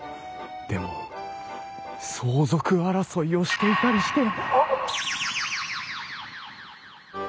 でも相続争いをしていたりして！